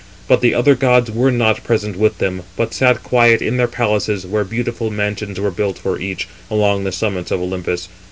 But the other gods were not present with them, but sat quiet in their palaces, where beautiful mansions were built for each, along the summits of Olympus.